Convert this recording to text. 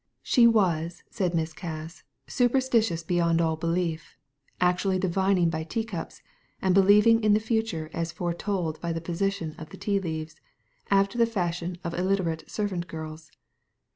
She was, said Miss Cass, superstitious beyond all belief, actually divining by teacups, and believing in the future as foretold by the position of the tea leaves, after the fashion of illiterate servant girls.